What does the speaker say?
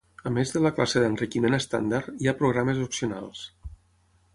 A més de la classe d'enriquiment estàndard, hi ha programes opcionals.